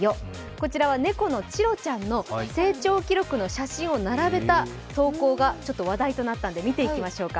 こちらは猫のチロちゃんの成長記録の写真を並べた投稿がちょっと話題となったんで見ていきましょうか。